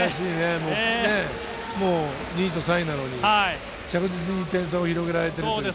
もう、２位と３位なのに、着実に点差を広げられてるということで。